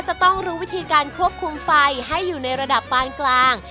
จะต้องรู้วิธีการควบคุมไฟให้อยู่ในระดับปานกลาง